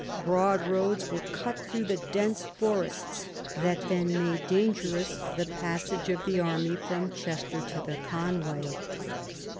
Broad roads were cut through the dense forests that then made dangerous the passage of the army from Chester to the Conway.